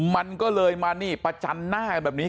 มันก็เลยมานี่ประจันหน้ากันแบบนี้